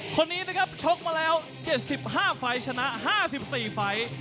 คนนี้นะครับชกมาแล้ว๗๕ไฟล์ชนะ๕๔ไฟล์